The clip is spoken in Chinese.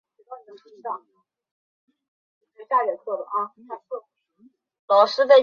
武川众是甲斐国边境的武士团。